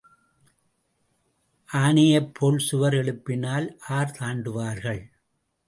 ஆனையைப் போல் சுவர் எழுப்பினால் ஆர் தாண்டுவார்கள்?